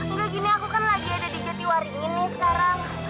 enggak gini aku kan lagi ada di jatiwaringin nih sekarang